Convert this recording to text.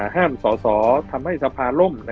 สอสอทำให้สภาล่ม